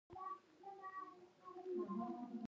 د تربوز د پخیدو نښې کومې دي؟